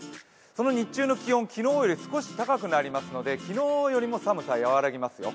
その日中の気温、昨日よりも少し高くなりますので昨日よりも寒さ和らぎますよ。